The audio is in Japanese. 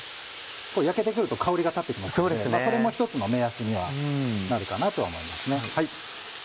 焼けて来ると香りが立って来ますのでそれも１つの目安にはなるかなとは思いますね。